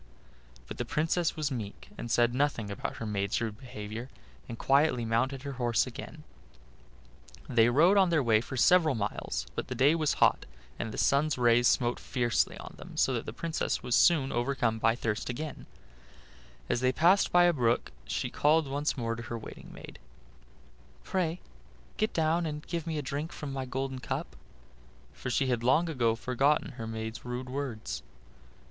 But the Princess was meek, and said nothing about her maid's rude behavior, and quietly mounted her horse again. They rode on their way for several miles, but the day was hot, and the sun's rays smote fiercely on them, so that the Princess was soon overcome by thirst again. And as they passed a brook she called once more to her waiting maid: "Pray get down and give me a drink from my golden cup," for she had long ago forgotten her maid's rude words.